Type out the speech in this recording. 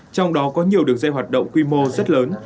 trong đó có nhiều đường dây hoạt động quy mô rất lớn